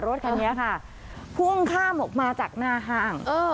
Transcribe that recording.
รถคันนี้ค่ะพุ่งข้ามออกมาจากหน้าห้าง